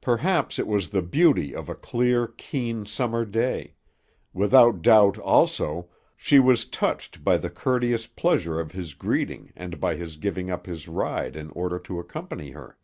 Perhaps it was the beauty of a clear, keen summer day; without doubt, also, she was touched by the courteous pleasure of his greeting and by his giving up his ride in order to accompany her.